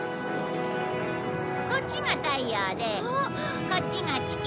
こっちが太陽でこっちが地球。